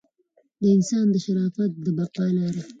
د انسان د شرافت د بقا لاره.